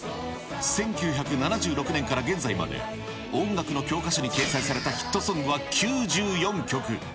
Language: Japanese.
１９７６年から現在まで、音楽の教科書に掲載されたヒットソングは９４曲。